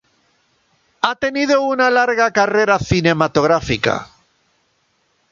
Ha tenido una larga carrera cinematográfica.